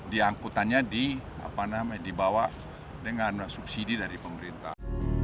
diangkutannya dibawa dengan subsidi dari pemerintah